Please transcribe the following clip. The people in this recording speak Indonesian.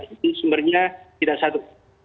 itu sumbernya tidak satu